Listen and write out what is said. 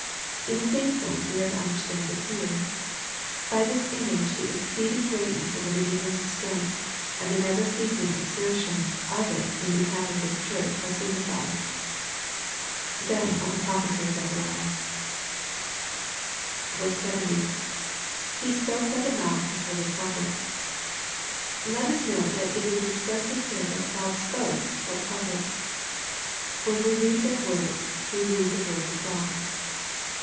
In the same sense we are to understand it here. Bj this image the exceeding great ness of the Redeemer's strength, and the never ceasing exertion of it in behalf of His church are signified." — Venn on the prophecy ofZacharias. 70. — [He spalce hy the mouth of his holy prophets!] Let us note that it is expressly said that " God spake" by the prophets. When we read their words, we read the words of God.